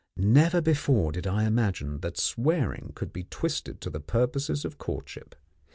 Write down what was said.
Never before did I imagine that swearing could be twisted to the purposes of courtship.